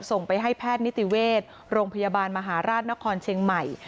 ส่งไปให้แพทย์นิติเวชโรงพยาบาลมหาราชนครเชียงใหม่